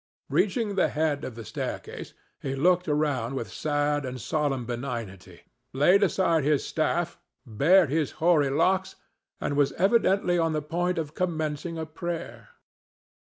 Reaching the head of the staircase, he looked around with sad and solemn benignity, laid aside his staff, bared his hoary locks, and was evidently on the point of commencing a prayer.